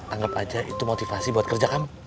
anggap aja itu motivasi buat kerja kamu